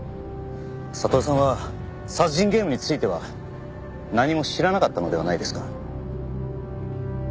悟さんは殺人ゲームについては何も知らなかったのではないですか？